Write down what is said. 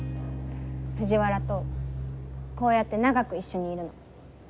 藤原とこうやって長く一緒にいるの。